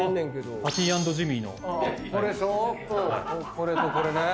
これとこれね。